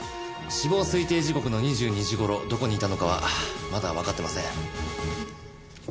死亡推定時刻の２２時頃どこにいたのかはまだわかってません。